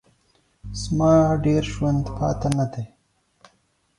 زما ډېر ژوند پاته نه دی.